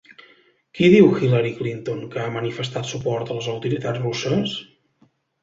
Qui diu Hillary Clinton que ha manifestat suport a les autoritats russes?